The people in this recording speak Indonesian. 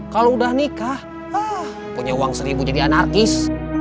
kalau udah nikah punya uang seribu jadi anarkis